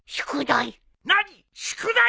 宿題！？